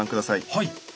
はい。